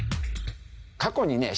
過去にね